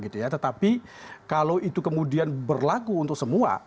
tetapi kalau itu kemudian berlaku untuk semua